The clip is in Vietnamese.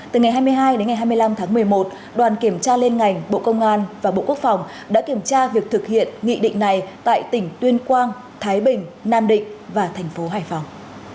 từ ngày hai mươi hai đến ngày hai mươi năm tháng một mươi một đoàn kiểm tra liên ngành bộ công an và bộ quốc phòng đã kiểm tra việc thực hiện nghị định này tại tỉnh tuyên quang thái bình nam định và thành phố hải phòng